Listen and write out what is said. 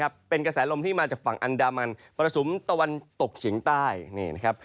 อาทิตย์ที่ผ่านมาครับ